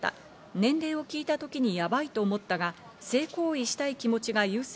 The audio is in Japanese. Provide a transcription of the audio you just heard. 年齢を聞いたときにやばいと思ったが、性行為したい気持ちが優先